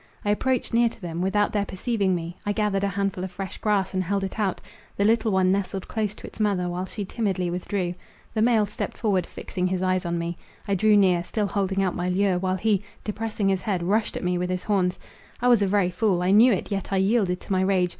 I approached near to them, without their perceiving me; I gathered a handful of fresh grass, and held it out; the little one nestled close to its mother, while she timidly withdrew. The male stepped forward, fixing his eyes on me: I drew near, still holding out my lure, while he, depressing his head, rushed at me with his horns. I was a very fool; I knew it, yet I yielded to my rage.